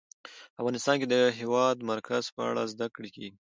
افغانستان کې د د هېواد مرکز په اړه زده کړه کېږي.